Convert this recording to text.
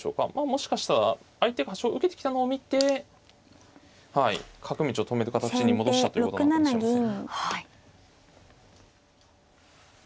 もしかしたら相手が端を受けてきたのを見て角道を止める形に戻したということなのかもしれません。